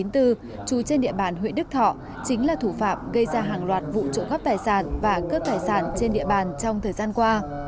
trú trên địa bàn huyện đức thọ chính là thủ phạm gây ra hàng loạt vụ trộm cắp tài sản và cướp tài sản trên địa bàn trong thời gian qua